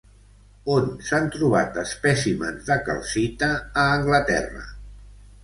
On s'han trobat espècimens de calcita a Anglaterra?